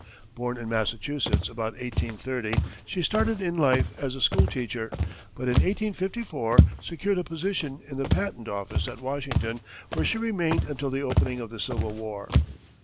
Born in Massachusetts about 1830, she started in life as a school teacher, but in 1854 secured a position in the patent office at Washington, where she remained until the opening of the Civil War.